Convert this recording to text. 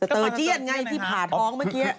เตอร์เจี้ยนไงที่ผ่าท้องเมื่อกี้